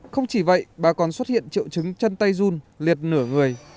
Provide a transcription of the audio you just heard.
không chỉ vậy bà còn xuất hiện triệu chứng chân tay run liệt nửa người